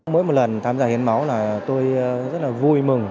mỗi một lần tham gia hiến máu là tôi rất là vui mừng